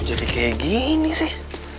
jadi kayak gini sih